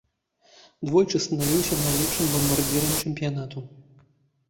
Двойчы станавіўся найлепшым бамбардзірам чэмпіянату.